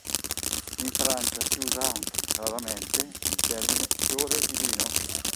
In Francia si usa anche, raramente, il termine "fiore di lino".